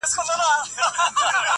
مرور سهار به خامخا ستنېږي-